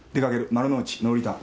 丸の内ノーリターン。